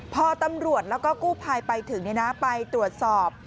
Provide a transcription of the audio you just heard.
พอตำรวจแล้วก็กู้ภัยไปถึงไปตรวจสอบ